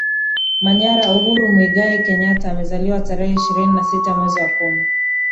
Manyara Uhuru Muigai Kenyatta amezaliwa tarehe ishirini na sita mwezi wa kumi